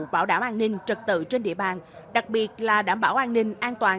bảo đảm an ninh trật tự trên địa bàn đặc biệt là đảm bảo an ninh an toàn